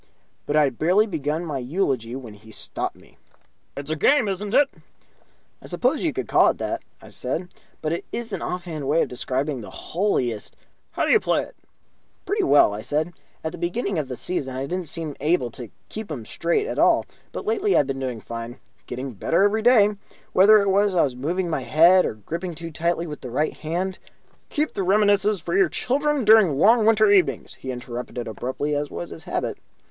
But I had barely begun my eulogy when he stopped me. "It's a game, is it?" "I suppose you could call it that," I said, "but it is an offhand way of describing the holiest " "How do you play it?" "Pretty well," I said. "At the beginning of the season I didn't seem able to keep 'em straight at all, but lately I've been doing fine. Getting better every day. Whether it was that I was moving my head or gripping too tightly with the right hand " "Keep the reminiscences for your grandchildren during the long winter evenings," he interrupted, abruptly, as was his habit.